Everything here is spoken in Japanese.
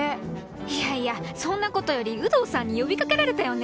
いやいやそんなことより有働さんに呼び掛けられたよね？